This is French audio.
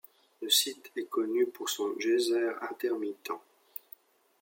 Le site est connu pour son geyser intermittent.